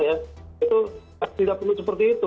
itu tidak perlu seperti itu